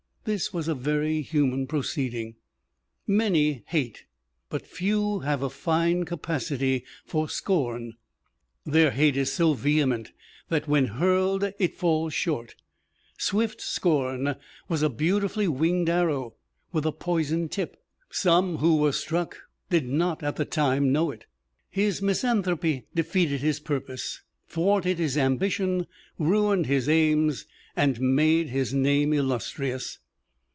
This was a very human proceeding. Many hate, but few have a fine capacity for scorn. Their hate is so vehement that when hurled it falls short. Swift's scorn was a beautifully winged arrow, with a poisoned tip. Some who were struck did not at the time know it. His misanthropy defeated his purpose, thwarted his ambition, ruined his aims, and made his name illustrious.